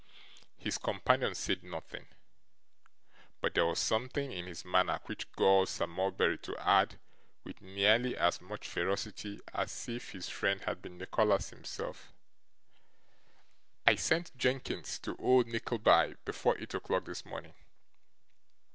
His companion said nothing, but there was something in his manner which galled Sir Mulberry to add, with nearly as much ferocity as if his friend had been Nicholas himself: 'I sent Jenkins to old Nickleby before eight o'clock this morning.